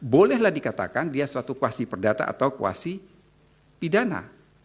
bolehlah dikatakan dia suatu kuasi perdata atau kuasi pidana